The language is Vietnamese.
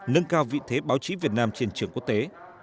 nâng cao vị thế báo chí việt nam trên trường quốc tế